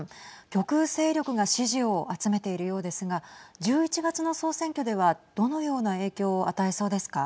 極右勢力が支持を集めているようですが１１月の総選挙ではどのような影響を与えそうですか。